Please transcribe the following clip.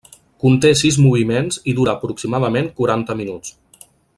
Conté sis moviments i dura aproximadament quaranta minuts.